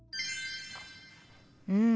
うん。